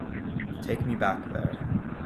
Take me back there.